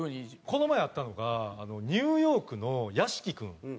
この前あったのがニューヨークの屋敷君。